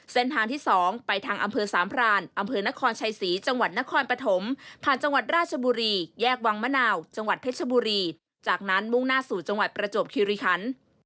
เส้นทางที่๒ไปทางอำเภอสามพรานอำเภอนครชัยศรีจังหวัดนครปฐมผ่านจังหวัดราชบุรีแยกวังมะนาวจังหวัดเพชรบุรีจากนั้นมุ่งหน้าสู่จังหวัดประจวบคิริคัน